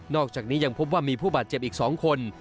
อกจากนี้ยังพบว่ามีผู้บาดเจ็บอีก๒คน